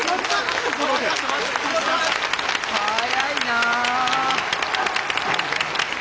速いな。